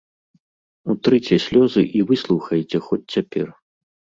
Утрыце слёзы і выслухайце хоць цяпер.